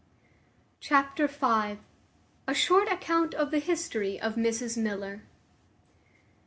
Chapter v. A short account of the history of Mrs Miller.